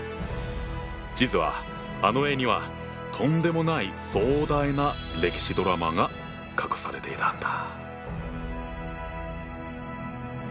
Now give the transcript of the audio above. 実はあの絵にはとんでもない壮大な歴史ドラマが隠されていたんだ。